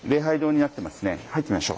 入ってみましょう。